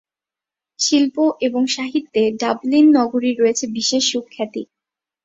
শিল্প এবং সাহিত্যে ডাবলিন নগরীর রয়েছে বিশেষ সুখ্যাতি।